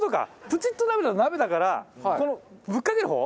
プチッと鍋だと鍋だからこのぶっかける方？